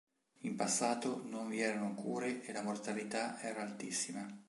In passato non vi erano cure e la mortalità era altissima.